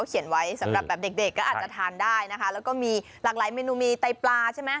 เขียนไว้สำหรับแบบเด็กเด็กก็อาจจะทานได้นะคะแล้วก็มีหลากหลายเมนูมีไตปลาใช่ไหม